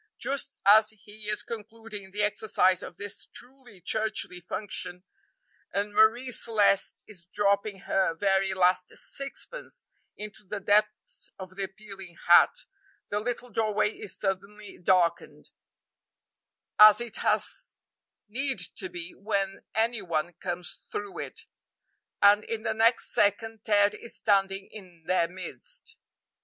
Just as he is concluding the exercise of this truly churchly function, and Marie Celeste is dropping her very last sixpence into the depths of the appealing hat, the little doorway is suddenly darkened as it has need to be when any one comes through it and in the next second Ted is standing in their midst.